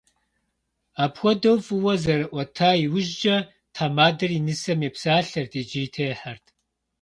Апхуэдэу фӏыуэ зэрыӏуэта иужькӀэ, тхьэмадэр и нысэм епсалъэрт икӀи техьэрт.